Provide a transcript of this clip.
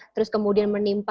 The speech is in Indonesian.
terus kemudian menerbitkan